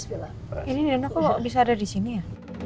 ini nino kok bisa ada disini ya